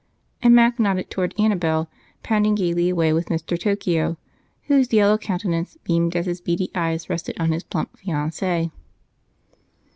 And Mac nodded toward Annabel, pounding gaily with Mr. Tokio, whose yellow countenance beamed as his beady eyes rested on his plump fiancée.